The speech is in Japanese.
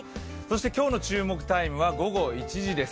今日の注目タイムは午後１時です。